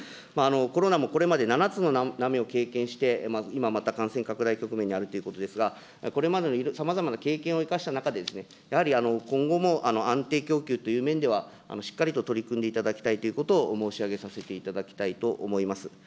コロナもこれまで７つの波を経験して、今また感染拡大局面にあるということですが、これまでのさまざまな経験を生かした中で、やはり今後も安定供給という面では、しっかりと取り組んでいただきたいということを申し上げさせていただきたいと思います。